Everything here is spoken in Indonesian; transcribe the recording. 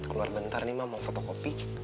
keluar bentar nih ma mau foto kopi